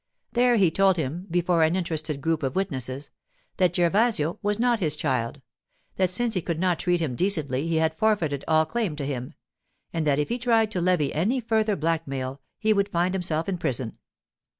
There he told him, before an interested group of witnesses, that Gervasio was not his child; that since he could not treat him decently he had forfeited all claim to him; and that if he tried to levy any further blackmail he would find himself in prison.